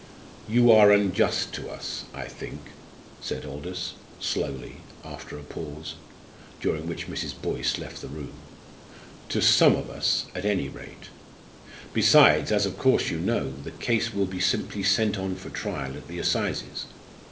"You are unjust to us, I think," said Aldous, slowly, after a pause, during which Mrs. Boyce left the room "to some of us, at any rate. Besides, as of course you know, the case will be simply sent on for trial at the assizes.